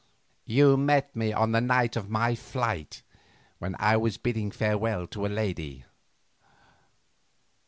You met me on the night of my flight when I was bidding farewell to a lady."